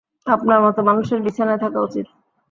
আপনার মত মানুষের বিছানায় থাকা উচিত।